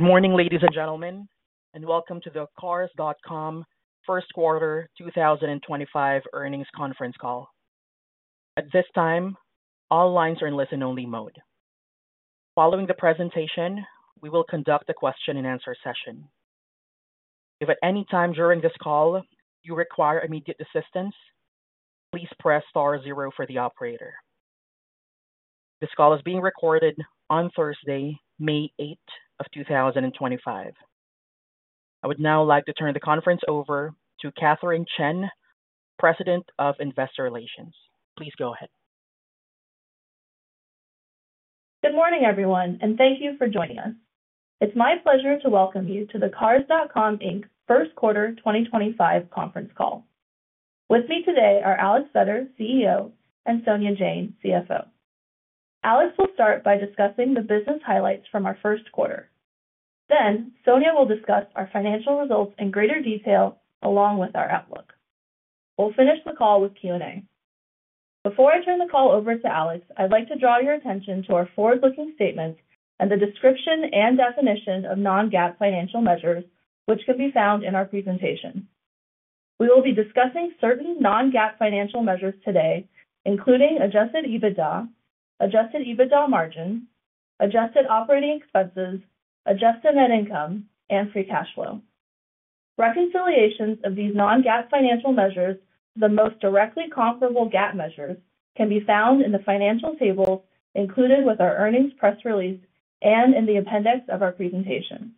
Good morning, ladies and gentlemen, and welcome to the Cars.com First Quarter 2025 earnings conference call. At this time, all lines are in listen-only mode. Following the presentation, we will conduct a question-and-answer session. If at any time during this call you require immediate assistance, please press star zero for the operator. This call is being recorded on Thursday, May 8th of 2025. I would now like to turn the conference over to Katherine Chen, President of Investor Relations. Please go ahead. Good morning, everyone, and thank you for joining us. It's my pleasure to welcome you to the Cars.com first quarter 2025 conference call. With me today are Alex Vetter, CEO, and Sonia Jain, CFO. Alex will start by discussing the business highlights from our first quarter. Sonia will discuss our financial results in greater detail along with our outlook. We'll finish the call with Q&A. Before I turn the call over to Alex, I'd like to draw your attention to our forward-looking statements and the description and definition of non-GAAP financial measures, which can be found in our presentation. We will be discussing certain non-GAAP financial measures today, including adjusted EBITDA, adjusted EBITDA margin, adjusted operating expenses, adjusted net income, and free cash flow. Reconciliations of these non-GAAP financial measures to the most directly comparable GAAP measures can be found in the financial tables included with our earnings press release and in the appendix of our presentation.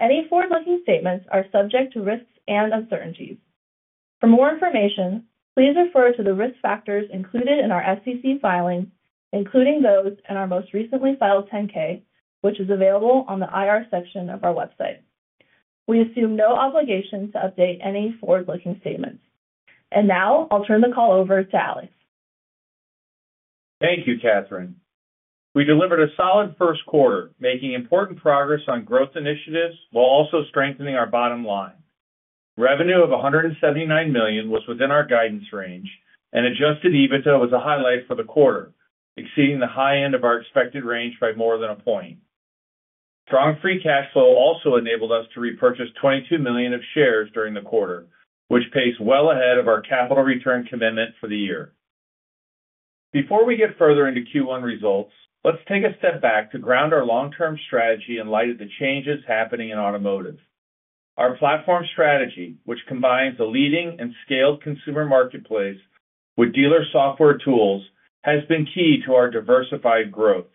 Any forward-looking statements are subject to risks and uncertainties. For more information, please refer to the risk factors included in our SEC filing, including those in our most recently filed 10-K, which is available on the IR section of our website. We assume no obligation to update any forward-looking statements. I will now turn the call over to Alex. Thank you, Katherine. We delivered a solid first quarter, making important progress on growth initiatives while also strengthening our bottom line. Revenue of $179 million was within our guidance range, and adjusted EBITDA was a highlight for the quarter, exceeding the high end of our expected range by more than a point. Strong free cash flow also enabled us to repurchase $22 million of shares during the quarter, which paced well ahead of our capital return commitment for the year. Before we get further into Q1 results, let's take a step back to ground our long-term strategy in light of the changes happening in automotive. Our platform strategy, which combines a leading and scaled consumer marketplace with dealer software tools, has been key to our diversified growth.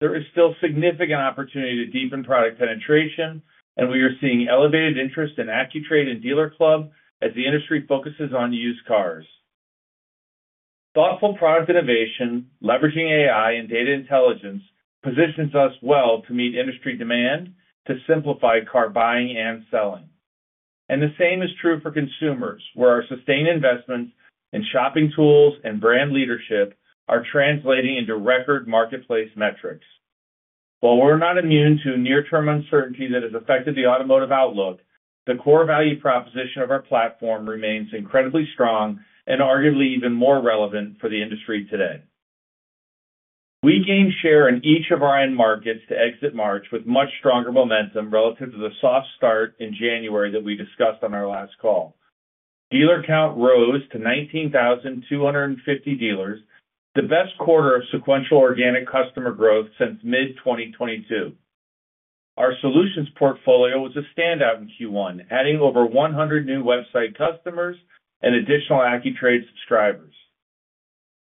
There is still significant opportunity to deepen product penetration, and we are seeing elevated interest in Accu-Trade and DealerClub as the industry focuses on used cars. Thoughtful product innovation leveraging AI and data intelligence positions us well to meet industry demand to simplify car buying and selling. The same is true for consumers, where our sustained investments in shopping tools and brand leadership are translating into record marketplace metrics. While we're not immune to near-term uncertainty that has affected the automotive outlook, the core value proposition of our platform remains incredibly strong and arguably even more relevant for the industry today. We gained share in each of our end markets to exit March with much stronger momentum relative to the soft start in January that we discussed on our last call. Dealer count rose to 19,250 dealers, the best quarter of sequential organic customer growth since mid-2022. Our solutions portfolio was a standout in Q1, adding over 100 new website customers and additional Accu-Trade subscribers.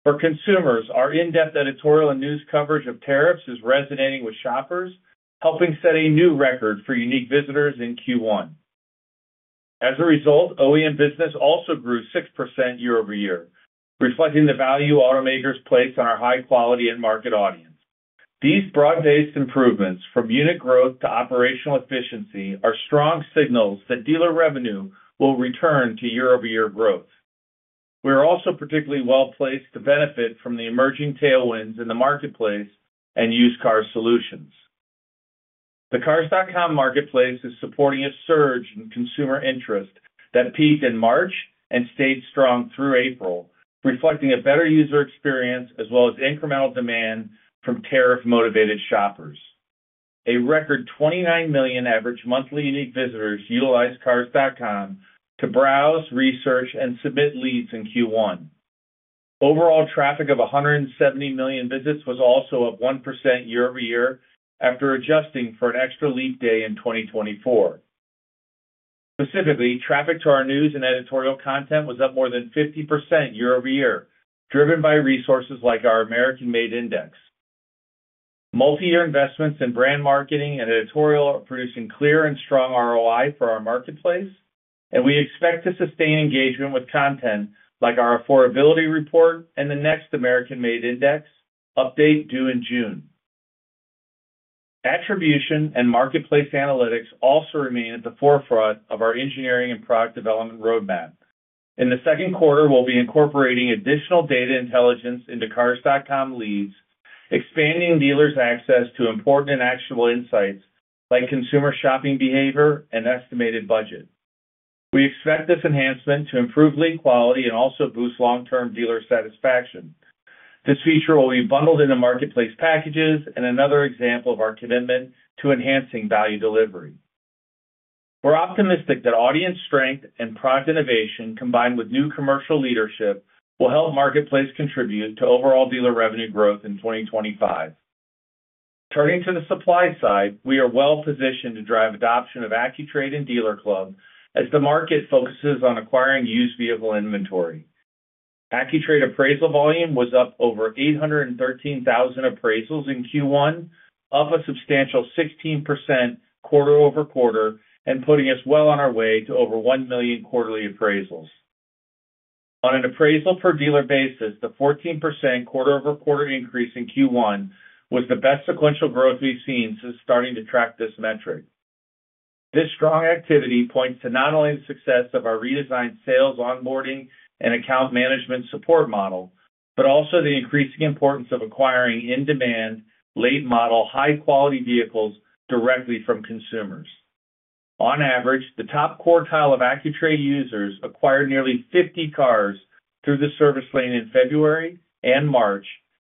For consumers, our in-depth editorial and news coverage of tariffs is resonating with shoppers, helping set a new record for unique visitors in Q1. As a result, OEM business also grew 6% year-over-year, reflecting the value automakers place on our high-quality end market audience. These broad-based improvements, from unit growth to operational efficiency, are strong signals that dealer revenue will return to year-over-year growth. We are also particularly well placed to benefit from the emerging tailwinds in the marketplace and used car solutions. The Cars.com Marketplace is supporting a surge in consumer interest that peaked in March and stayed strong through April, reflecting a better user experience as well as incremental demand from tariff-motivated shoppers. A record 29 million average monthly unique visitors utilize Cars.com to browse, research, and submit leads in Q1. Overall traffic of 170 million visits was also up 1% year-over-year after adjusting for an extra leap day in 2024. Specifically, traffic to our news and editorial content was up more than 50% year-over-year, driven by resources like our American-Made Index. Multi-year investments in brand marketing and editorial are producing clear and strong ROI for our marketplace, and we expect to sustain engagement with content like our affordability report and the next American-Made Index update due in June. Attribution and marketplace analytics also remain at the forefront of our engineering and product development roadmap. In the second quarter, we'll be incorporating additional data intelligence into Cars.com leads, expanding dealers' access to important and actionable insights like consumer shopping behavior and estimated budget. We expect this enhancement to improve lead quality and also boost long-term dealer satisfaction. This feature will be bundled into marketplace packages and another example of our commitment to enhancing value delivery. We're optimistic that audience strength and product innovation, combined with new commercial leadership, will help marketplace contribute to overall dealer revenue growth in 2025. Turning to the supply side, we are well positioned to drive adoption of Accu-Trade and DealerClub as the market focuses on acquiring used vehicle inventory. Accu-Trade appraisal volume was up over 813,000 appraisals in Q1, up a substantial 16% quarter-over-quarter, and putting us well on our way to over 1 million quarterly appraisals. On an appraisal per dealer basis, the 14% quarter-over-quarter increase in Q1 was the best sequential growth we've seen since starting to track this metric. This strong activity points to not only the success of our redesigned sales onboarding and account management support model, but also the increasing importance of acquiring in-demand, late-model, high-quality vehicles directly from consumers. On average, the top quartile of Accu-Trade users acquired nearly 50 cars through the service lane in February and March,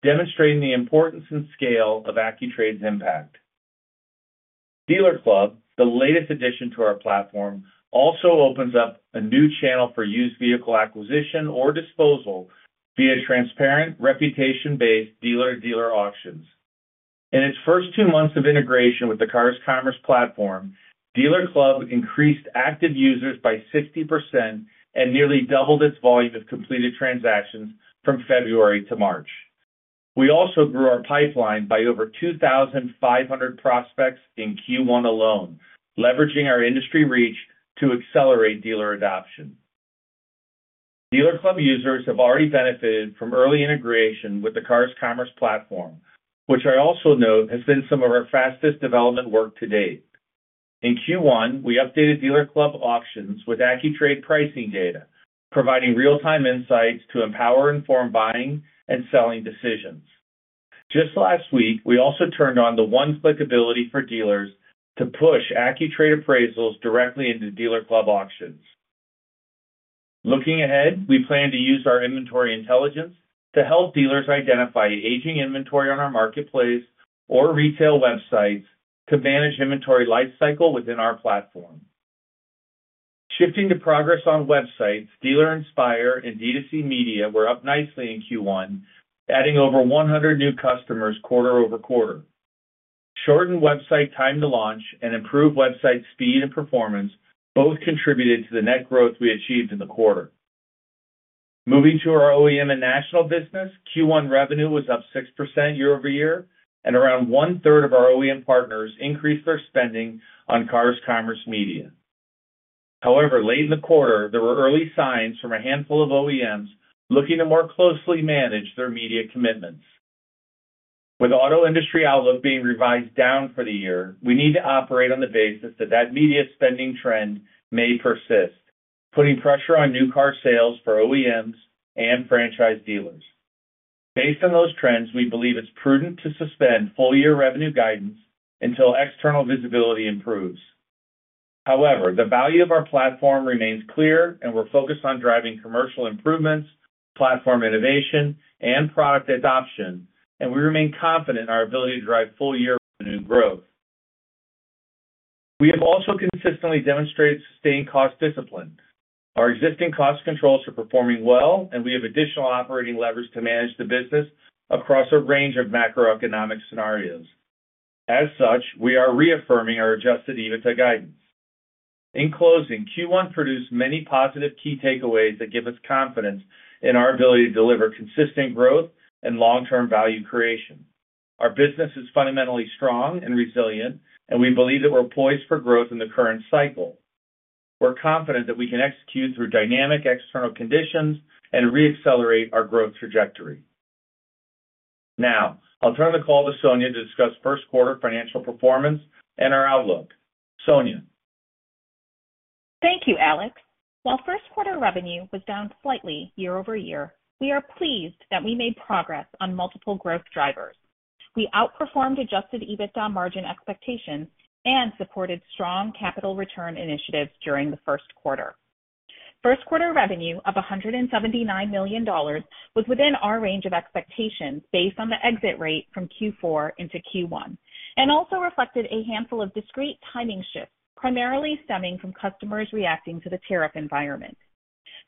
demonstrating the importance and scale of Accu-Trade's impact. DealerClub, the latest addition to our platform, also opens up a new channel for used vehicle acquisition or disposal via transparent, reputation-based dealer-to-dealer auctions. In its first two months of integration with the Cars Commerce platform, DealerClub increased active users by 60% and nearly doubled its volume of completed transactions from February to March. We also grew our pipeline by over 2,500 prospects in Q1 alone, leveraging our industry reach to accelerate dealer adoption. DealerClub users have already benefited from early integration with the Cars Commerce platform, which I also note has been some of our fastest development work to date. In Q1, we updated DealerClub auctions with Accu-Trade pricing data, providing real-time insights to empower informed buying and selling decisions. Just last week, we also turned on the one-click ability for dealers to push Accu-Trade appraisals directly into DealerClub auctions. Looking ahead, we plan to use our inventory intelligence to help dealers identify aging inventory on our marketplace or retail websites to manage inventory lifecycle within our platform. Shifting to progress on websites, Dealer Inspire and D2C Media were up nicely in Q1, adding over 100 new customers quarter over quarter. Shortened website time to launch and improved website speed and performance both contributed to the net growth we achieved in the quarter. Moving to our OEM and national business, Q1 revenue was up 6% year over year, and around 1/3 of our OEM partners increased their spending on Cars Commerce Media. However, late in the quarter, there were early signs from a handful of OEMs looking to more closely manage their media commitments. With auto industry outlook being revised down for the year, we need to operate on the basis that media spending trend may persist, putting pressure on new car sales for OEMs and franchise dealers. Based on those trends, we believe it's prudent to suspend full-year revenue guidance until external visibility improves. However, the value of our platform remains clear, and we're focused on driving commercial improvements, platform innovation, and product adoption, and we remain confident in our ability to drive full-year revenue growth. We have also consistently demonstrated sustained cost discipline. Our existing cost controls are performing well, and we have additional operating levers to manage the business across a range of macroeconomic scenarios. As such, we are reaffirming our adjusted EBITDA guidance. In closing, Q1 produced many positive key takeaways that give us confidence in our ability to deliver consistent growth and long-term value creation. Our business is fundamentally strong and resilient, and we believe that we're poised for growth in the current cycle. We're confident that we can execute through dynamic external conditions and re-accelerate our growth trajectory. Now, I'll turn the call to Sonia to discuss first quarter financial performance and our outlook. Sonia. Thank you, Alex. While first quarter revenue was down slightly year-over-year, we are pleased that we made progress on multiple growth drivers. We outperformed adjusted EBITDA margin expectations and supported strong capital return initiatives during the first quarter. First quarter revenue of $179 million was within our range of expectations based on the exit rate from Q4 into Q1 and also reflected a handful of discrete timing shifts, primarily stemming from customers reacting to the tariff environment.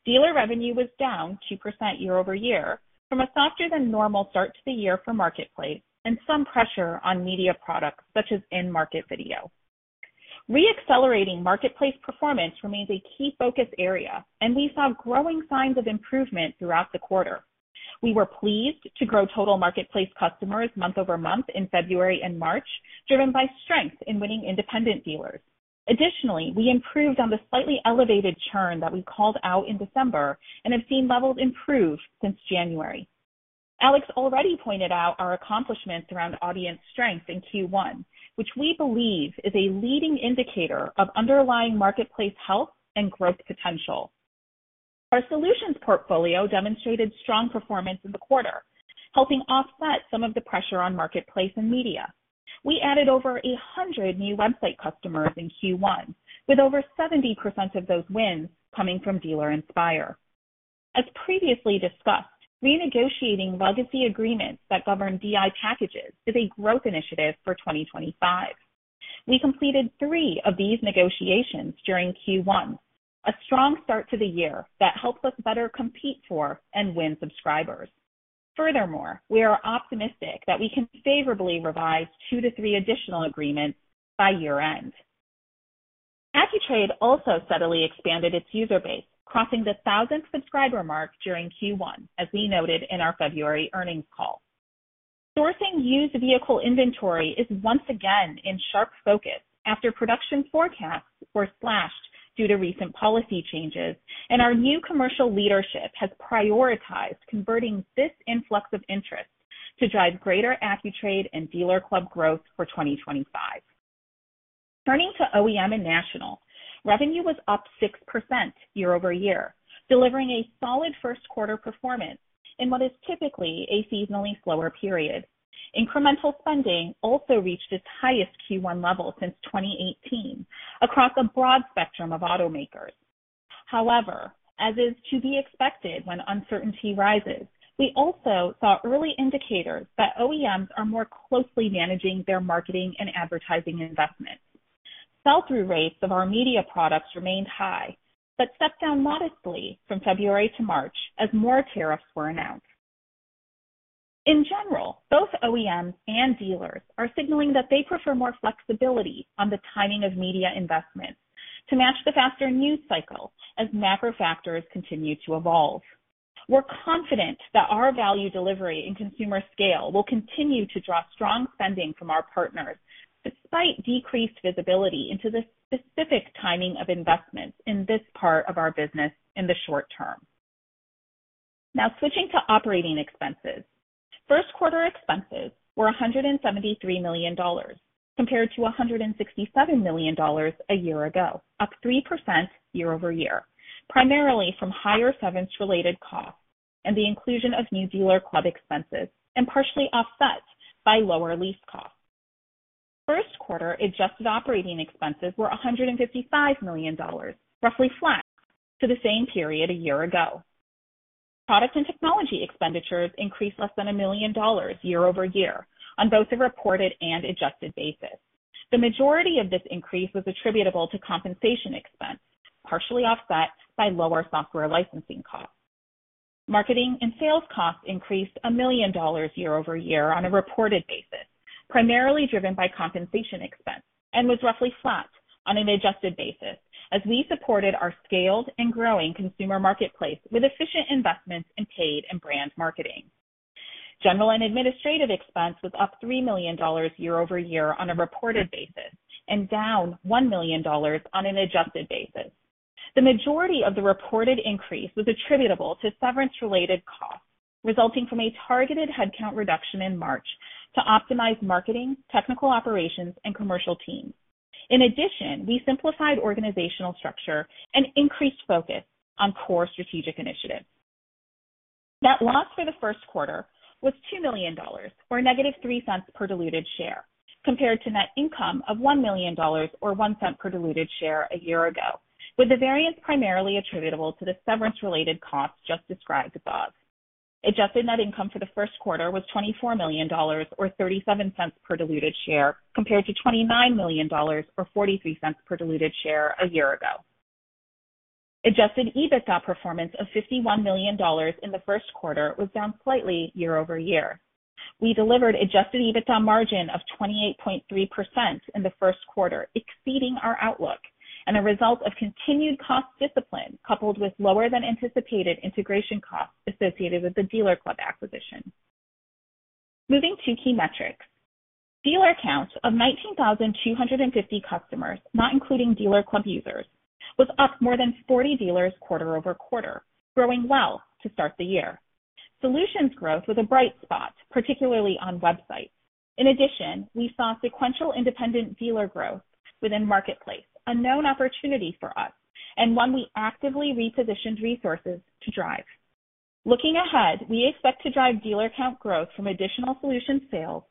Dealer revenue was down 2% year-over-year from a softer-than-normal start to the year for marketplace and some pressure on media products such as in-market video. Re-accelerating marketplace performance remains a key focus area, and we saw growing signs of improvement throughout the quarter. We were pleased to grow total marketplace customers month over month in February and March, driven by strength in winning independent dealers. Additionally, we improved on the slightly elevated churn that we called out in December and have seen levels improve since January. Alex already pointed out our accomplishments around audience strength in Q1, which we believe is a leading indicator of underlying marketplace health and growth potential. Our solutions portfolio demonstrated strong performance in the quarter, helping offset some of the pressure on marketplace and media. We added over 100 new website customers in Q1, with over 70% of those wins coming from Dealer Inspire. As previously discussed, renegotiating legacy agreements that govern DI packages is a growth initiative for 2025. We completed three of these negotiations during Q1, a strong start to the year that helps us better compete for and win subscribers. Furthermore, we are optimistic that we can favorably revise two to three additional agreements by year-end. Accu-Trade also steadily expanded its user base, crossing the 1,000 subscriber mark during Q1, as we noted in our February earnings call. Sourcing used vehicle inventory is once again in sharp focus after production forecasts were slashed due to recent policy changes, and our new commercial leadership has prioritized converting this influx of interest to drive greater Accu-Trade and DealerClub growth for 2025. Turning to OEM and national, revenue was up 6% year-over-year, delivering a solid first quarter performance in what is typically a seasonally slower period. Incremental spending also reached its highest Q1 level since 2018 across a broad spectrum of automakers. However, as is to be expected when uncertainty rises, we also saw early indicators that OEMs are more closely managing their marketing and advertising investments. Sell-through rates of our media products remained high but stepped down modestly from February to March as more tariffs were announced. In general, both OEMs and dealers are signaling that they prefer more flexibility on the timing of media investments to match the faster news cycle as macro factors continue to evolve. We're confident that our value delivery and consumer scale will continue to draw strong spending from our partners despite decreased visibility into the specific timing of investments in this part of our business in the short term. Now, switching to operating expenses, first quarter expenses were $173 million compared to $167 million a year ago, up 3% year-over-year, primarily from higher severance-related costs and the inclusion of new DealerClub expenses and partially offset by lower lease costs. First quarter adjusted operating expenses were $155 million, roughly flat to the same period a year ago. Product and technology expenditures increased less than $1 million year-over-year on both a reported and adjusted basis. The majority of this increase was attributable to compensation expense, partially offset by lower software licensing costs. Marketing and sales costs increased $1 million year-over-year on a reported basis, primarily driven by compensation expense, and was roughly flat on an adjusted basis as we supported our scaled and growing consumer marketplace with efficient investments in paid and brand marketing. General and administrative expense was up $3 million year-over-year on a reported basis and down $1 million on an adjusted basis. The majority of the reported increase was attributable to severance-related costs resulting from a targeted headcount reduction in March to optimize marketing, technical operations, and commercial teams. In addition, we simplified organizational structure and increased focus on core strategic initiatives. Net loss for the first quarter was $2 million, or -$0.03 per diluted share, compared to net income of $1 million or $0.01 per diluted share a year ago, with the variance primarily attributable to the severance-related costs just described above. Adjusted net income for the first quarter was $24 million, or $0.37 per diluted share, compared to $29 million, or $0.43 per diluted share a year ago. Adjusted EBITDA performance of $51 million in the first quarter was down slightly year-over-year. We delivered adjusted EBITDA margin of 28.3% in the first quarter, exceeding our outlook and a result of continued cost discipline coupled with lower-than-anticipated integration costs associated with the DealerClub acquisition. Moving to key metrics, dealer count of 19,250 customers, not including DealerClub users, was up more than 40 dealers quarter-over-quarter, growing well to start the year. Solutions growth was a bright spot, particularly on websites. In addition, we saw sequential independent dealer growth within marketplace, a known opportunity for us and one we actively repositioned resources to drive. Looking ahead, we expect to drive dealer count growth from additional solution sales,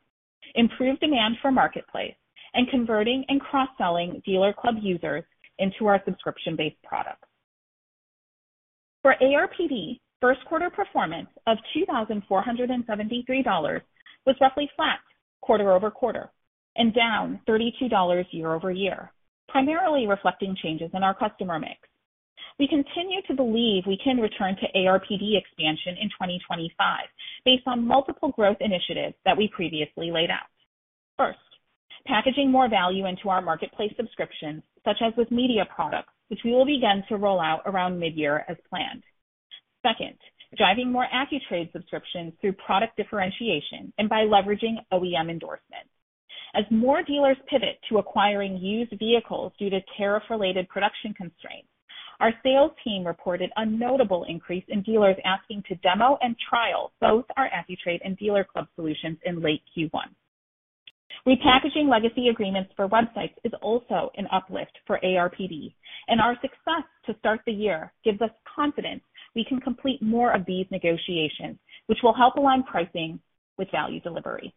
improved demand for marketplace, and converting and cross-selling DealerClub users into our subscription-based products. For ARPD, first quarter performance of $2,473 was roughly flat quarter-over-quarter and down $32 year-over-year, primarily reflecting changes in our customer mix. We continue to believe we can return to ARPD expansion in 2025 based on multiple growth initiatives that we previously laid out. First, packaging more value into our marketplace subscriptions, such as with media products, which we will begin to roll out around mid-year as planned. Second, driving more Accu-Trade subscriptions through product differentiation and by leveraging OEM endorsements. As more dealers pivot to acquiring used vehicles due to tariff-related production constraints, our sales team reported a notable increase in dealers asking to demo and trial both our Accu-Trade and DealerClub solutions in late Q1. Repackaging legacy agreements for websites is also an uplift for ARPD, and our success to start the year gives us confidence we can complete more of these negotiations, which will help align pricing with value delivery.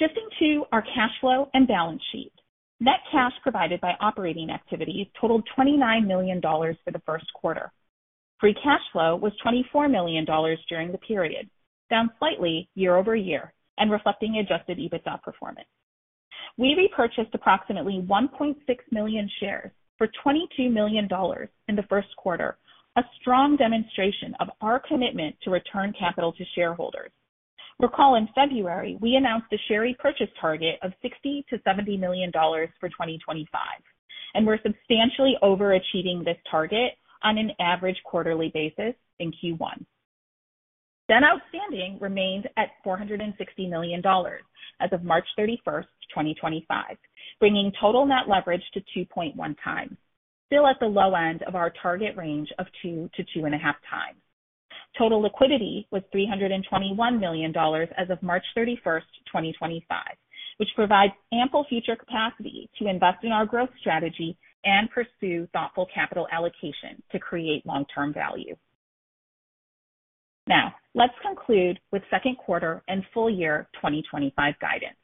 Shifting to our cash flow and balance sheet, net cash provided by operating activities totaled $29 million for the first quarter. Free cash flow was $24 million during the period, down slightly year-over-year and reflecting adjusted EBITDA performance. We repurchased approximately 1.6 million shares for $22 million in the first quarter, a strong demonstration of our commitment to return capital to shareholders. Recall in February, we announced the share repurchase target of $60 million-$70 million for 2025, and we're substantially overachieving this target on an average quarterly basis in Q1. Net outstanding remained at $460 million as of March 31st, 2025, bringing total net leverage to 2.1x, still at the low end of our target range of 2x-2.5x. Total liquidity was $321 million as of March 31st, 2025, which provides ample future capacity to invest in our growth strategy and pursue thoughtful capital allocation to create long-term value. Now, let's conclude with second quarter and full year 2025 guidance.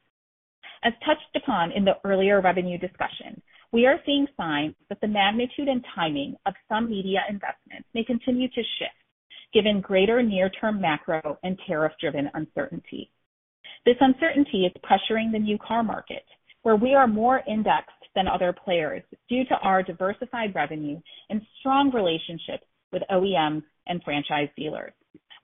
As touched upon in the earlier revenue discussion, we are seeing signs that the magnitude and timing of some media investments may continue to shift given greater near-term macro and tariff-driven uncertainty. This uncertainty is pressuring the new car market, where we are more indexed than other players due to our diversified revenue and strong relationships with OEMs and franchise dealers.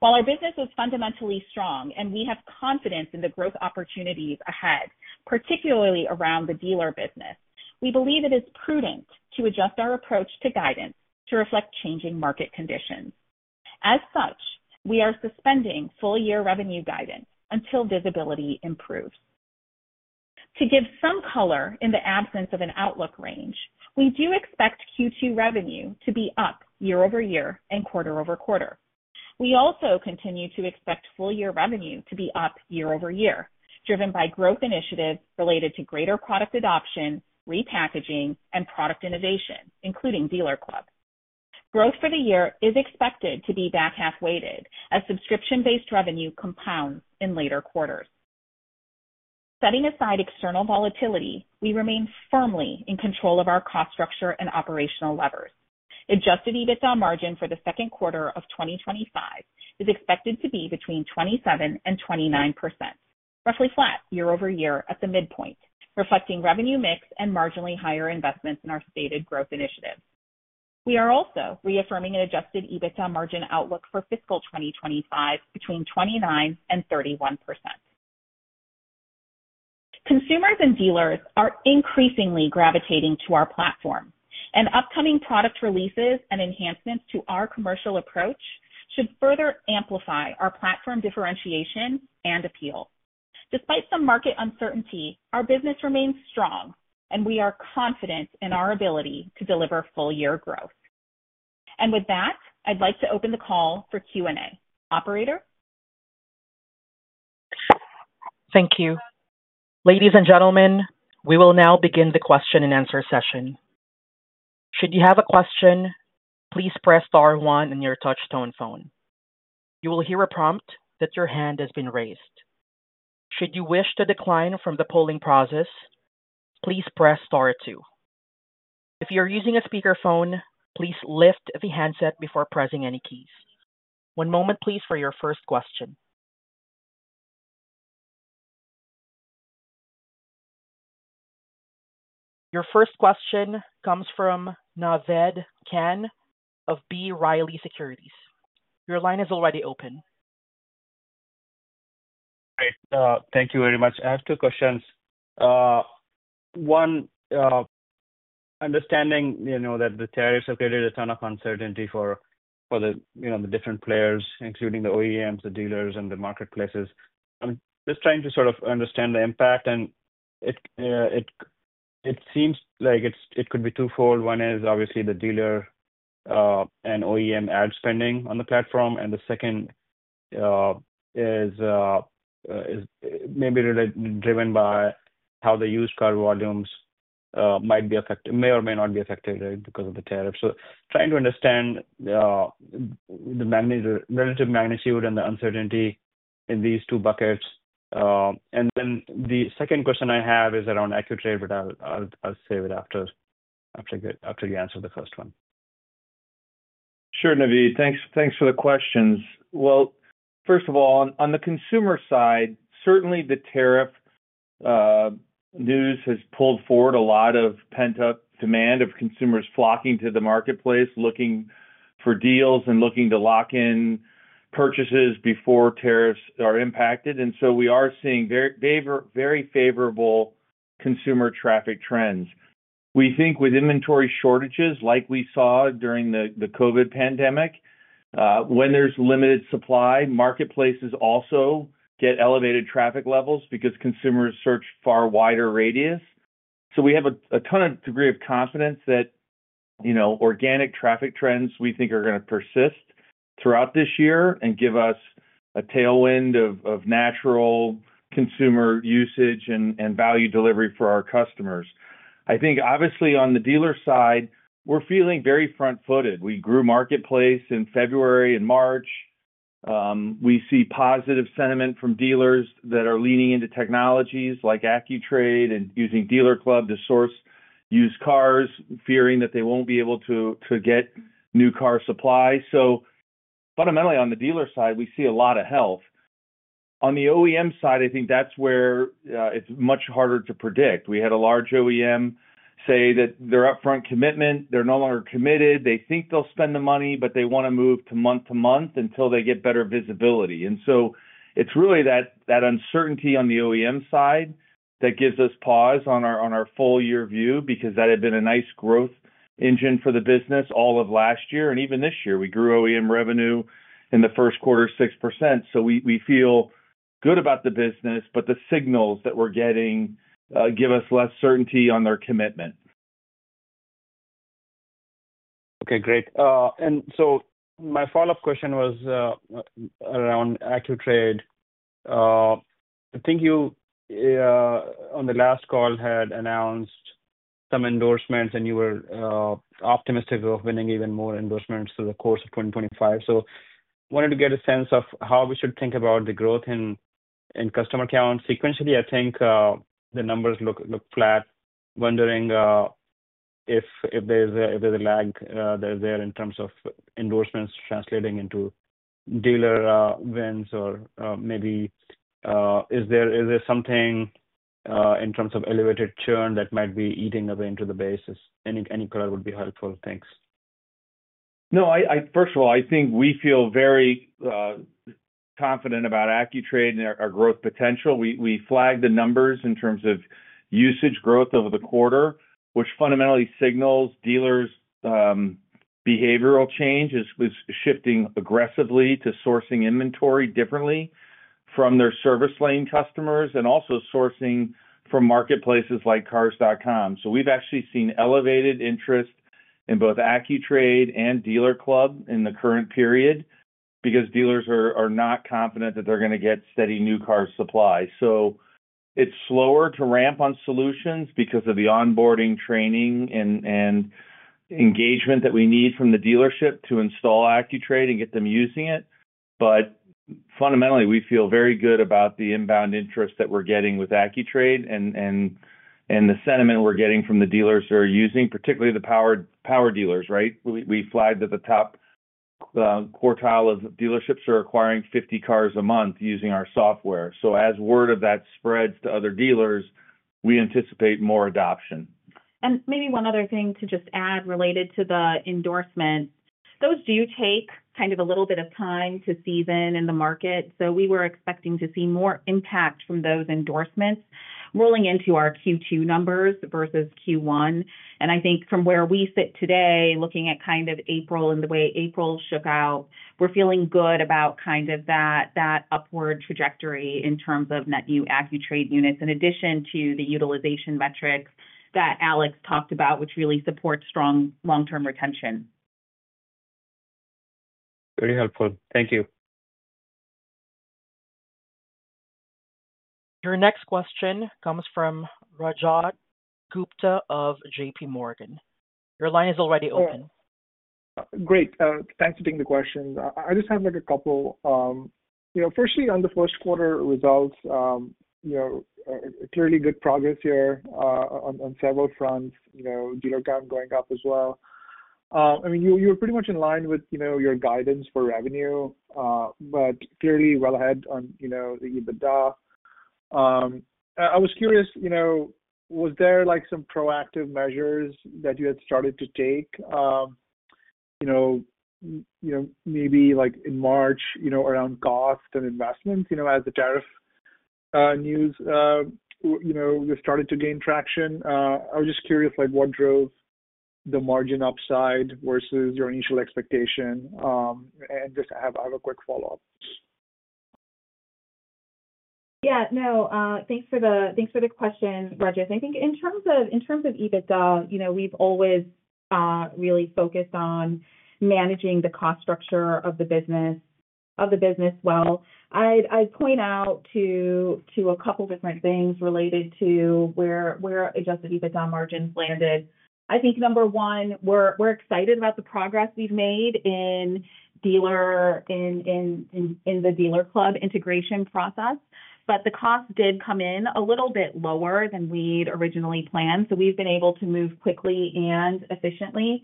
While our business is fundamentally strong and we have confidence in the growth opportunities ahead, particularly around the dealer business, we believe it is prudent to adjust our approach to guidance to reflect changing market conditions. As such, we are suspending full year revenue guidance until visibility improves. To give some color in the absence of an outlook range, we do expect Q2 revenue to be up year-over-year and quarter over quarter. We also continue to expect full year revenue to be up year-over-year, driven by growth initiatives related to greater product adoption, repackaging, and product innovation, including DealerClub. Growth for the year is expected to be back half-weighted as subscription-based revenue compounds in later quarters. Setting aside external volatility, we remain firmly in control of our cost structure and operational levers. Adjusted EBITDA margin for the second quarter of 2025 is expected to be between 27%-29%, roughly flat year-over-year at the midpoint, reflecting revenue mix and marginally higher investments in our stated growth initiatives. We are also reaffirming an adjusted EBITDA margin outlook for fiscal 2025 between 29%-31%. Consumers and dealers are increasingly gravitating to our platform, and upcoming product releases and enhancements to our commercial approach should further amplify our platform differentiation and appeal. Despite some market uncertainty, our business remains strong, and we are confident in our ability to deliver full year growth. With that, I'd like to open the call for Q&A. Operator? Thank you. Ladies and gentlemen, we will now begin the question and answer session. Should you have a question, please press Star one on your touch-tone phone. You will hear a prompt that your hand has been raised. Should you wish to decline from the polling process, please press Star two. If you are using a speakerphone, please lift the handset before pressing any keys. One moment, please, for your first question. Your first question comes from Naved Khan of B. Riley Securities. Your line is already open. Hi. Thank you very much. I have two questions. One, understanding that the tariffs have created a ton of uncertainty for the different players, including the OEMs, the dealers, and the marketplaces. I'm just trying to sort of understand the impact, and it seems like it could be twofold. One is obviously the dealer and OEM ad spending on the platform, and the second is maybe driven by how the used car volumes might be affected, may or may not be affected because of the tariffs. Trying to understand the relative magnitude and the uncertainty in these two buckets. The second question I have is around Accu-Trade, but I'll save it after you answer the first one. Sure, Naved. Thanks for the questions. First of all, on the consumer side, certainly the tariff news has pulled forward a lot of pent-up demand of consumers flocking to the marketplace, looking for deals and looking to lock in purchases before tariffs are impacted. We are seeing very favorable consumer traffic trends. We think with inventory shortages, like we saw during the COVID pandemic, when there's limited supply, marketplaces also get elevated traffic levels because consumers search far wider radius. We have a ton of degree of confidence that organic traffic trends we think are going to persist throughout this year and give us a tailwind of natural consumer usage and value delivery for our customers. I think, obviously, on the dealer side, we're feeling very front-footed. We grew marketplace in February and March. We see positive sentiment from dealers that are leaning into technologies like Accu-Trade and using DealerClub to source used cars, fearing that they won't be able to get new car supply. Fundamentally, on the dealer side, we see a lot of health. On the OEM side, I think that's where it's much harder to predict. We had a large OEM say that their upfront commitment, they're no longer committed. They think they'll spend the money, but they want to move to month-to-month until they get better visibility. It is really that uncertainty on the OEM side that gives us pause on our full year view because that had been a nice growth engine for the business all of last year. Even this year, we grew OEM revenue in the first quarter 6%. We feel good about the business, but the signals that we're getting give us less certainty on their commitment. Okay, great. My follow-up question was around Accu-Trade. I think you, on the last call, had announced some endorsements, and you were optimistic of winning even more endorsements through the course of 2025. I wanted to get a sense of how we should think about the growth in customer count. Sequentially, I think the numbers look flat. Wondering if there's a lag there in terms of endorsements translating into dealer wins or maybe is there something in terms of elevated churn that might be eating away into the basis? Any color would be helpful. Thanks. No, first of all, I think we feel very confident about Accu-Trade and our growth potential. We flagged the numbers in terms of usage growth over the quarter, which fundamentally signals dealers' behavioral change is shifting aggressively to sourcing inventory differently from their service-lane customers and also sourcing from marketplaces like Cars.com. We've actually seen elevated interest in both Accu-Trade and DealerClub in the current period because dealers are not confident that they're going to get steady new car supply. It's slower to ramp on solutions because of the onboarding, training, and engagement that we need from the dealership to install Accu-Trade and get them using it. Fundamentally, we feel very good about the inbound interest that we're getting with Accu-Trade and the sentiment we're getting from the dealers that are using, particularly the power dealers, right? We flagged that the top quartile of dealerships are acquiring 50 cars a month using our software. As word of that spreads to other dealers, we anticipate more adoption. Maybe one other thing to just add related to the endorsements. Those do take kind of a little bit of time to season in the market. We were expecting to see more impact from those endorsements rolling into our Q2 numbers versus Q1. I think from where we sit today, looking at kind of April and the way April shook out, we're feeling good about kind of that upward trajectory in terms of net new Accu-Trade units in addition to the utilization metrics that Alex talked about, which really supports strong long-term retention. Very helpful. Thank you. Your next question comes from Rajat Gupta of JPMorgan. Your line is already open. Great. Thanks for taking the question. I just have a couple. Firstly, on the first quarter results, clearly good progress here on several fronts. Dealer count going up as well. I mean, you were pretty much in line with your guidance for revenue, but clearly well ahead on the EBITDA. I was curious, was there some proactive measures that you had started to take maybe in March around cost and investments as the tariff news started to gain traction? I was just curious what drove the margin upside versus your initial expectation. I just have a quick follow-up. Yeah. No, thanks for the question, Rajat. I think in terms of EBITDA, we've always really focused on managing the cost structure of the business well. I'd point out to a couple of different things related to where adjusted EBITDA margins landed. I think number one, we're excited about the progress we've made in the DealerClub integration process, but the cost did come in a little bit lower than we'd originally planned. We've been able to move quickly and efficiently.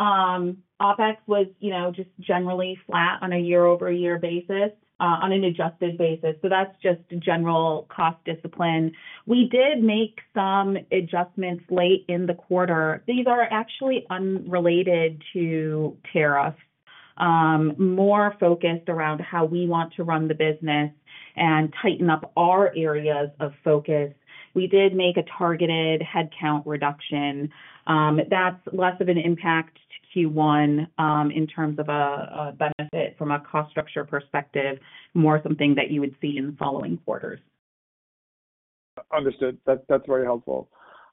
OpEx was just generally flat on a year-over-year basis on an adjusted basis. That's just general cost discipline. We did make some adjustments late in the quarter. These are actually unrelated to tariffs, more focused around how we want to run the business and tighten up our areas of focus. We did make a targeted headcount reduction. That's less of an impact to Q1 in terms of a benefit from a cost structure perspective, more something that you would see in the following quarters. Understood. That's very helpful.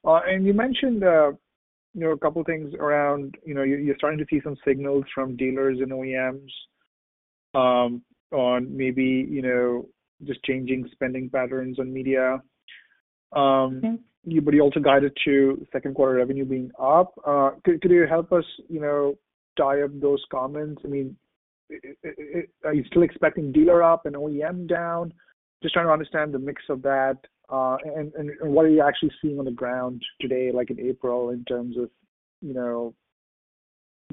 You mentioned a couple of things around you're starting to see some signals from dealers and OEMs on maybe just changing spending patterns on media. You also guided to second quarter revenue being up. Could you help us tie up those comments? I mean, are you still expecting dealer up and OEM down? Just trying to understand the mix of that. What are you actually seeing on the ground today, like in April, in terms of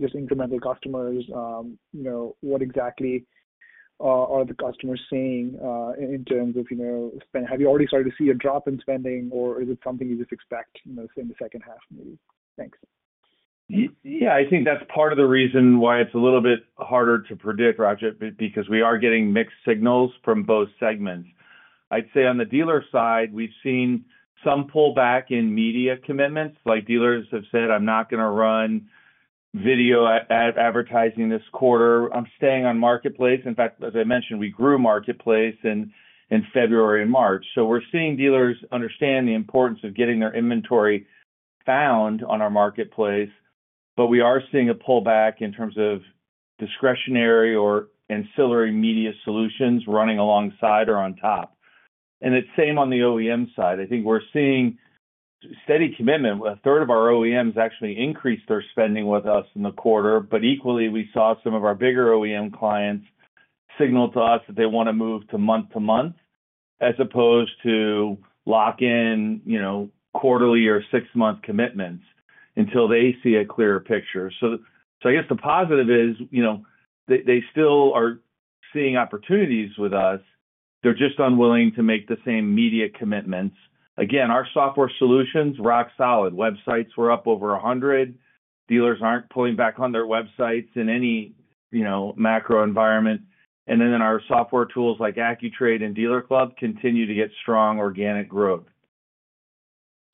just incremental customers? What exactly are the customers saying in terms of spending? Have you already started to see a drop in spending, or is it something you just expect in the second half, maybe? Thanks. Yeah, I think that's part of the reason why it's a little bit harder to predict, Rajat, because we are getting mixed signals from both segments. I'd say on the dealer side, we've seen some pullback in media commitments. Dealers have said, "I'm not going to run video advertising this quarter. I'm staying on marketplace." In fact, as I mentioned, we grew marketplace in February and March. We are seeing dealers understand the importance of getting their inventory found on our marketplace, but we are seeing a pullback in terms of discretionary or ancillary media solutions running alongside or on top. It's the same on the OEM side. I think we're seeing steady commitment. 1/3 of our OEMs actually increased their spending with us in the quarter, but equally, we saw some of our bigger OEM clients signal to us that they want to move to month-to-month as opposed to lock-in quarterly or six-month commitments until they see a clearer picture. I guess the positive is they still are seeing opportunities with us. They're just unwilling to make the same media commitments. Again, our software solutions rock solid. Websites were up over 100. Dealers aren't pulling back on their websites in any macro environment. Our software tools like Accu-Trade and DealerClub continue to get strong organic growth.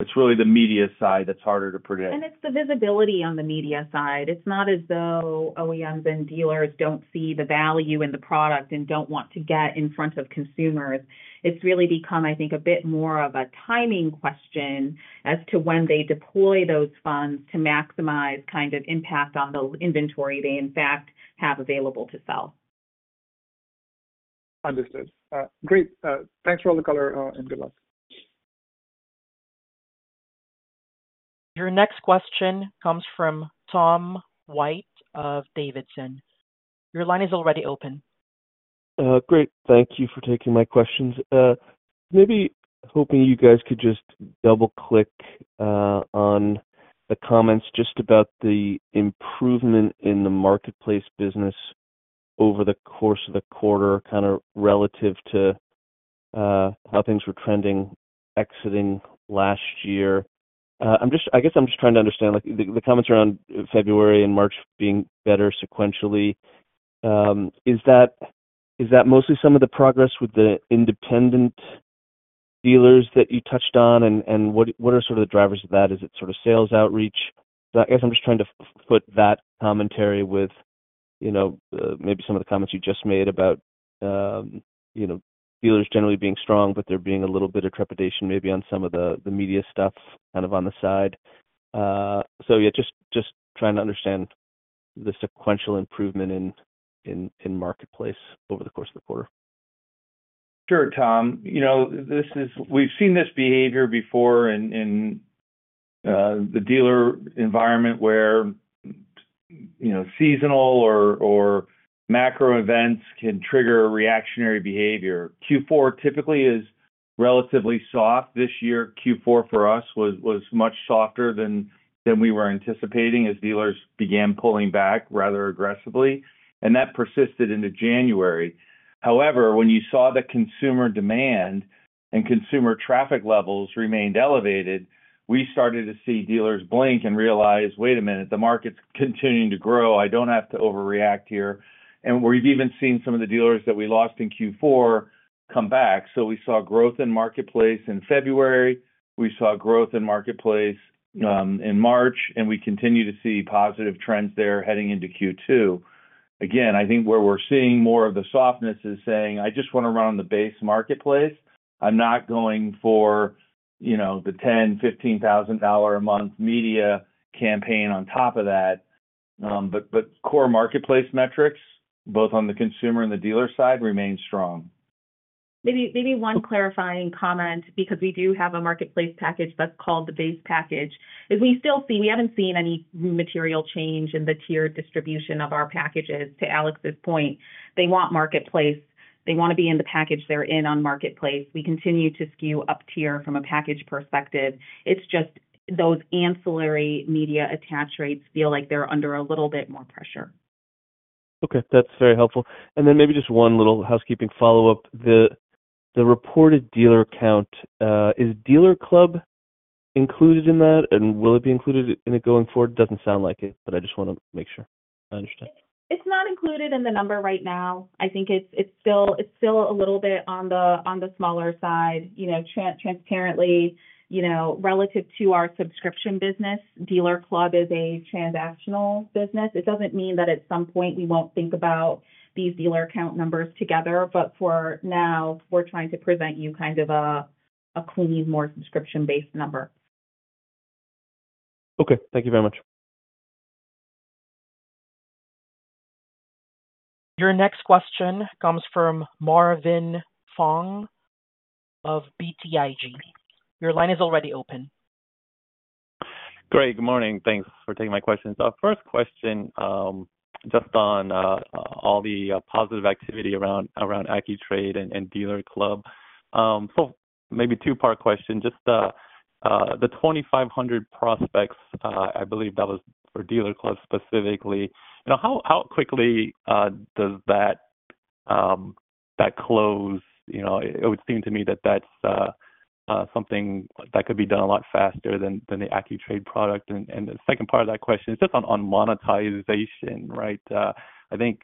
It's really the media side that's harder to predict. It's the visibility on the media side. It's not as though OEMs and dealers don't see the value in the product and don't want to get in front of consumers. It's really become, I think, a bit more of a timing question as to when they deploy those funds to maximize kind of impact on the inventory they, in fact, have available to sell. Understood. Great. Thanks for all the color and good luck. Your next question comes from Tom White of Davidson. Your line is already open. Great. Thank you for taking my questions. Maybe hoping you guys could just double-click on the comments just about the improvement in the marketplace business over the course of the quarter, kind of relative to how things were trending exiting last year. I guess I'm just trying to understand the comments around February and March being better sequentially. Is that mostly some of the progress with the independent dealers that you touched on? And what are sort of the drivers of that? Is it sort of sales outreach? I guess I'm just trying to put that commentary with maybe some of the comments you just made about dealers generally being strong, but there being a little bit of trepidation maybe on some of the media stuff kind of on the side. Yeah, just trying to understand the sequential improvement in marketplace over the course of the quarter. Sure, Tom. We've seen this behavior before in the dealer environment where seasonal or macro events can trigger reactionary behavior. Q4 typically is relatively soft. This year, Q4 for us was much softer than we were anticipating as dealers began pulling back rather aggressively. That persisted into January. However, when you saw the consumer demand and consumer traffic levels remained elevated, we started to see dealers blink and realize, "Wait a minute, the market's continuing to grow. I don't have to overreact here." And we've even seen some of the dealers that we lost in Q4 come back. We saw growth in marketplace in February. We saw growth in marketplace in March, and we continue to see positive trends there heading into Q2. Again, I think where we're seeing more of the softness is saying, "I just want to run on the base marketplace. I'm not going for the $10,000-$15,000 a month media campaign on top of that." Core marketplace metrics, both on the consumer and the dealer side, remain strong. Maybe one clarifying comment, because we do have a marketplace package that's called the base package, is we still see we haven't seen any material change in the tier distribution of our packages. To Alex's point, they want marketplace. They want to be in the package they're in on marketplace. We continue to skew up tier from a package perspective. It's just those ancillary media attach rates feel like they're under a little bit more pressure. Okay. That's very helpful. Then maybe just one little housekeeping follow-up. The reported dealer count, is DealerClub included in that? And will it be included in it going forward? Doesn't sound like it, but I just want to make sure. I understand. It's not included in the number right now. I think it's still a little bit on the smaller side. Transparently, relative to our subscription business, DealerClub is a transactional business. It doesn't mean that at some point we won't think about these dealer count numbers together. For now, we're trying to present you kind of a clean, more subscription-based number. Okay. Thank you very much. Your next question comes from Marvin Fong of BTIG. Your line is already open. Great. Good morning. Thanks for taking my questions. First question, just on all the positive activity around Accu-Trade and DealerClub. Maybe two-part question. Just the 2,500 prospects, I believe that was for DealerClub specifically. How quickly does that close? It would seem to me that that's something that could be done a lot faster than the Accu-Trade product. The second part of that question is just on monetization, right? I think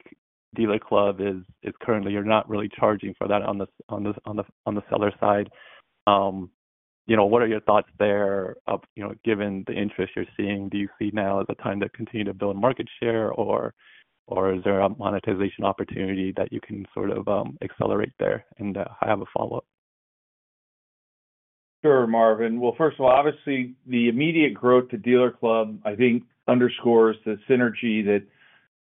DealerClub is currently not really charging for that on the seller side. What are your thoughts there given the interest you're seeing? Do you see now as a time to continue to build market share, or is there a monetization opportunity that you can sort of accelerate there? I have a follow-up. Sure, Marvin. First of all, obviously, the immediate growth to DealerClub, I think, underscores the synergy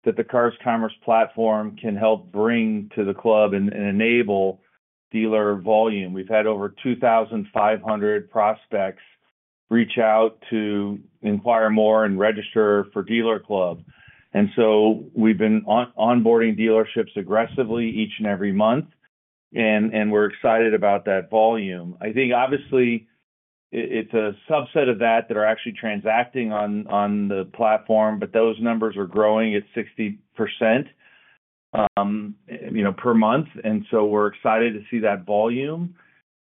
that the Cars Commerce platform can help bring to the club and enable dealer volume. We've had over 2,500 prospects reach out to inquire more and register for DealerClub. We've been onboarding dealerships aggressively each and every month, and we're excited about that volume. I think, obviously, it's a subset of that that are actually transacting on the platform, but those numbers are growing at 60% per month. We're excited to see that volume.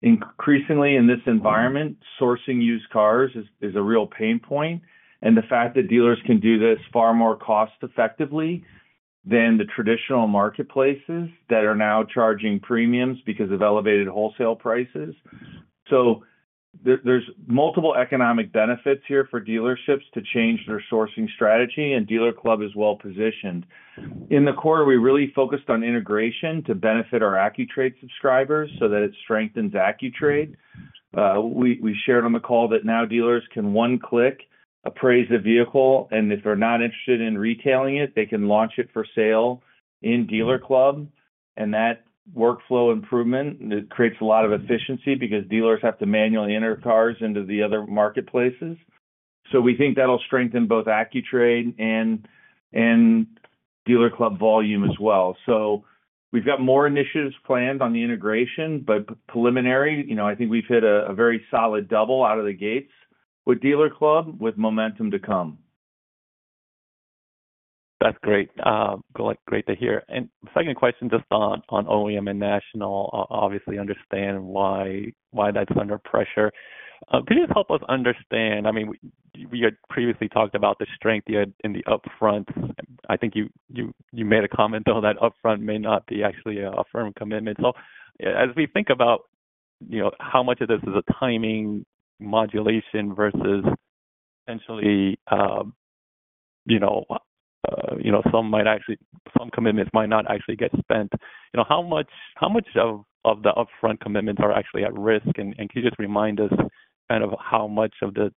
Increasingly, in this environment, sourcing used cars is a real pain point. The fact that dealers can do this far more cost-effectively than the traditional marketplaces that are now charging premiums because of elevated wholesale prices. There are multiple economic benefits here for dealerships to change their sourcing strategy, and DealerClub is well positioned. In the quarter, we really focused on integration to benefit our Accu-Trade subscribers so that it strengthens Accu-Trade. We shared on the call that now dealers can, with one click, appraise the vehicle, and if they're not interested in retailing it, they can launch it for sale in DealerClub. That workflow improvement creates a lot of efficiency because dealers have to manually enter cars into the other marketplaces. We think that'll strengthen both Accu-Trade and DealerClub volume as well. We've got more initiatives planned on the integration, but preliminarily, I think we've hit a very solid double out of the gates with DealerClub with momentum to come. That's great. Great to hear. Second question, just on OEM and national, obviously, understand why that's under pressure. Could you help us understand? I mean, you had previously talked about the strength you had in the upfront. I think you made a comment, though, that upfront may not be actually a firm commitment. As we think about how much of this is a timing modulation versus essentially some commitments might not actually get spent, how much of the upfront commitments are actually at risk? Can you just remind us kind of how much of the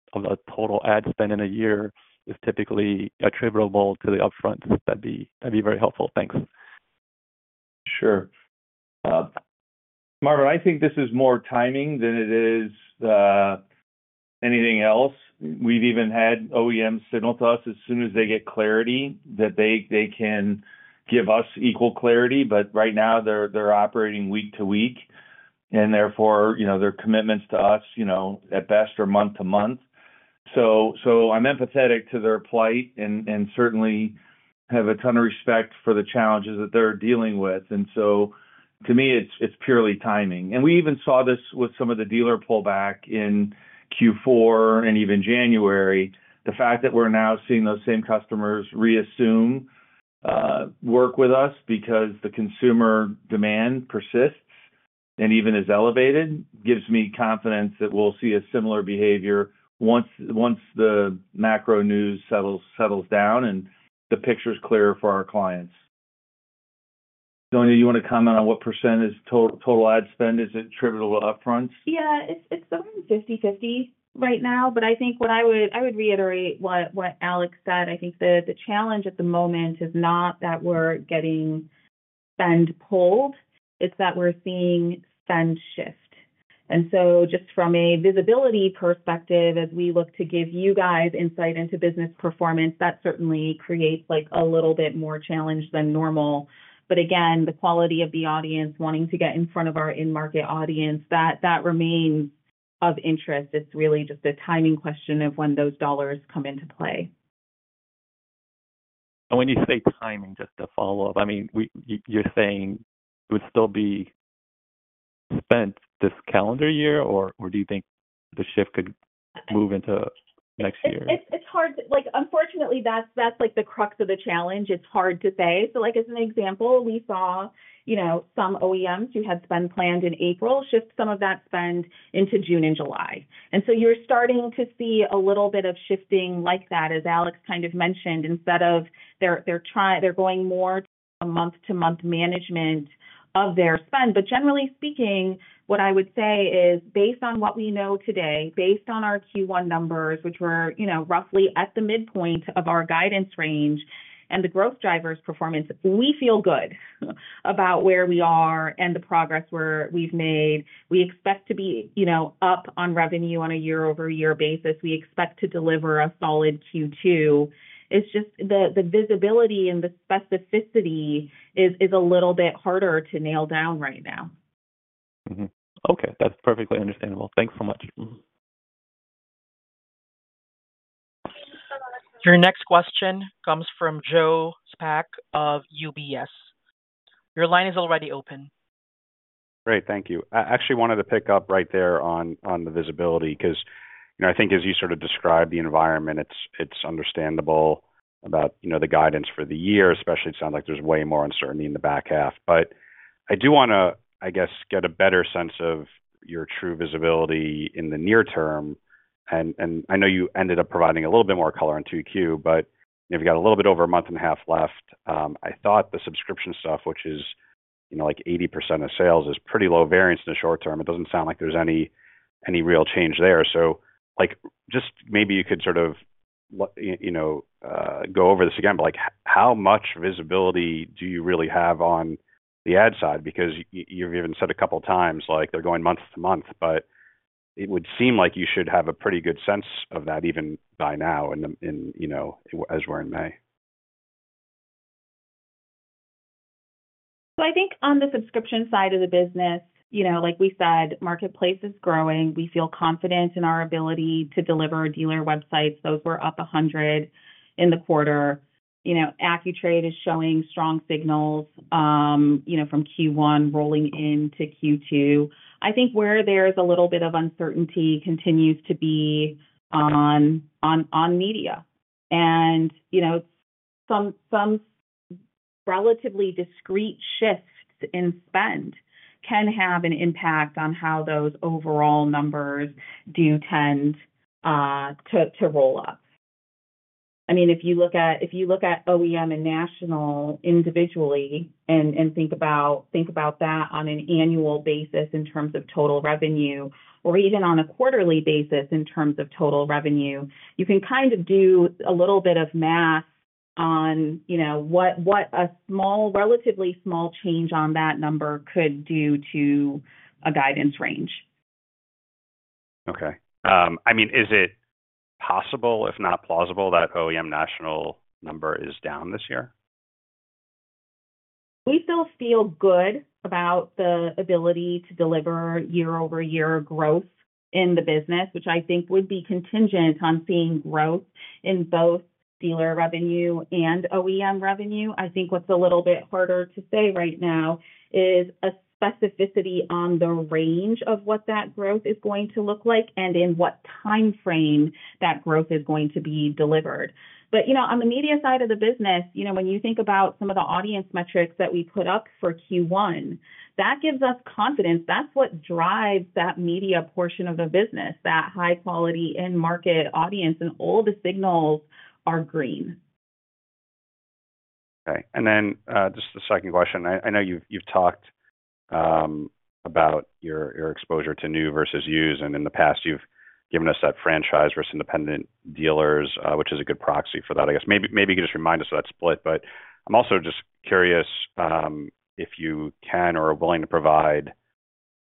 total ad spend in a year is typically attributable to the upfront? That would be very helpful. Thanks. Sure. Marvin, I think this is more timing than it is anything else. We have even had OEMs signal to us as soon as they get clarity that they can give us equal clarity. Right now, they're operating week to week, and therefore, their commitments to us at best are month to month. I'm empathetic to their plight and certainly have a ton of respect for the challenges that they're dealing with. To me, it's purely timing. We even saw this with some of the dealer pullback in Q4 and even January. The fact that we're now seeing those same customers reassume work with us because the consumer demand persists and even is elevated gives me confidence that we'll see a similar behavior once the macro news settles down and the picture's clearer for our clients. Sonia, do you want to comment on what percentage total ad spend is attributable to upfronts? Yeah. It's somewhere in 50/50 right now. I think what I would reiterate, what Alex said, I think the challenge at the moment is not that we're getting spend pulled. It's that we're seeing spend shift. Just from a visibility perspective, as we look to give you guys insight into business performance, that certainly creates a little bit more challenge than normal. Again, the quality of the audience wanting to get in front of our in-market audience, that remains of interest. It's really just a timing question of when those dollars come into play. When you say timing, just to follow up, I mean, you're saying it would still be spent this calendar year, or do you think the shift could move into next year? Unfortunately, that's the crux of the challenge. It's hard to say. As an example, we saw some OEMs who had spend planned in April shift some of that spend into June and July. You are starting to see a little bit of shifting like that, as Alex kind of mentioned. Instead, they are going more to a month-to-month management of their spend. Generally speaking, what I would say is, based on what we know today, based on our Q1 numbers, which were roughly at the midpoint of our guidance range and the growth drivers' performance, we feel good about where we are and the progress we have made. We expect to be up on revenue on a year-over-year basis. We expect to deliver a solid Q2. The visibility and the specificity is a little bit harder to nail down right now. Okay. That is perfectly understandable. Thanks so much. Your next question comes from Joe Spak of UBS. Your line is already open. Great. Thank you. I actually wanted to pick up right there on the visibility because I think as you sort of describe the environment, it's understandable about the guidance for the year. Especially, it sounds like there's way more uncertainty in the back half. I do want to, I guess, get a better sense of your true visibility in the near term. I know you ended up providing a little bit more color on Q2, but we've got a little bit over a month and a half left. I thought the subscription stuff, which is like 80% of sales, is pretty low variance in the short term. It doesn't sound like there's any real change there. Just maybe you could sort of go over this again, but how much visibility do you really have on the ad side? Because you've even said a couple of times they're going month to month, but it would seem like you should have a pretty good sense of that even by now as we're in May. I think on the subscription side of the business, like we said, marketplace is growing. We feel confident in our ability to deliver dealer websites. Those were up 100 in the quarter. Accu-Trade is showing strong signals from Q1 rolling into Q2. I think where there is a little bit of uncertainty continues to be on media. Some relatively discreet shifts in spend can have an impact on how those overall numbers do tend to roll up. I mean, if you look at OEM and national individually and think about that on an annual basis in terms of total revenue, or even on a quarterly basis in terms of total revenue, you can kind of do a little bit of math on what a relatively small change on that number could do to a guidance range. Okay. I mean, is it possible, if not plausible, that OEM national number is down this year? We still feel good about the ability to deliver year-over-year growth in the business, which I think would be contingent on seeing growth in both dealer revenue and OEM revenue. I think what's a little bit harder to say right now is a specificity on the range of what that growth is going to look like and in what timeframe that growth is going to be delivered. On the media side of the business, when you think about some of the audience metrics that we put up for Q1, that gives us confidence. That is what drives that media portion of the business, that high-quality in-market audience, and all the signals are green. Okay. Just the second question. I know you have talked about your exposure to new versus used, and in the past, you have given us that franchise versus independent dealers, which is a good proxy for that, I guess. Maybe you could just remind us of that split. I am also just curious if you can or are willing to provide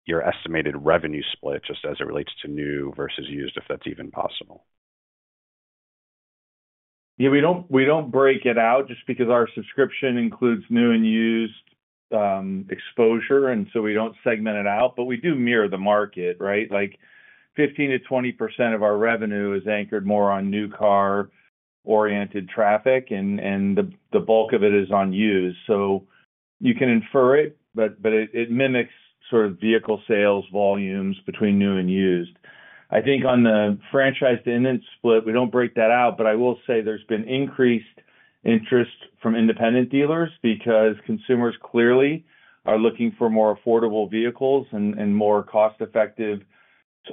your estimated revenue split just as it relates to new versus used, if that is even possible. Yeah. We do not break it out just because our subscription includes new and used exposure, and so we do not segment it out. We do mirror the market, right? 15%-20% of our revenue is anchored more on new car-oriented traffic, and the bulk of it is on used. You can infer it, but it mimics sort of vehicle sales volumes between new and used. I think on the franchise-to-indie split, we do not break that out, but I will say there has been increased interest from independent dealers because consumers clearly are looking for more affordable vehicles and more cost-effective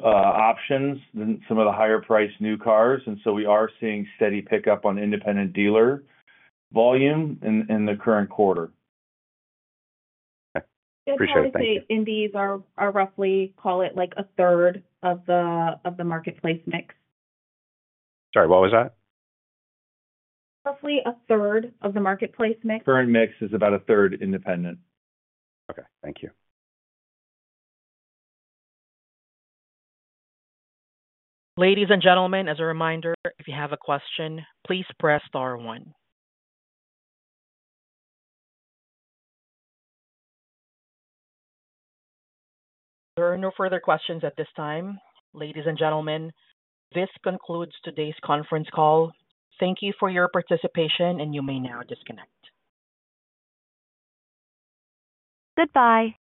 options than some of the higher-priced new cars. We are seeing steady pickup on independent dealer volume in the current quarter. Okay. Appreciate it. I would say indies are roughly, call it like 1/3 of the marketplace mix. Sorry. What was that? Roughly 1/3 of the marketplace mix. Current mix is about 1/3 independent. Okay. Thank you. Ladies and gentlemen, as a reminder, if you have a question, please press star one. There are no further questions at this time. Ladies and gentlemen, this concludes today's conference call. Thank you for your participation, and you may now disconnect. Goodbye.